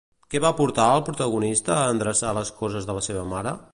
Què va portar al protagonista a endreçar les coses de la seva mare?